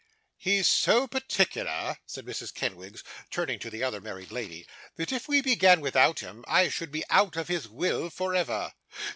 'He's so particular,' said Mrs. Kenwigs, turning to the other married lady, 'that if we began without him, I should be out of his will for ever.